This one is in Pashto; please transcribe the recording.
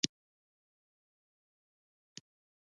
له بلې خوا څرنګه چې امیر خپل مسولیتونه نه دي پوره کړي.